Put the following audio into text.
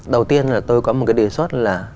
đầu tiên là tôi có một cái đề xuất là